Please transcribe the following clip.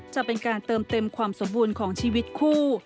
จะเป็นการเติมเต็มความสมบูรณ์ของชีวิตคู่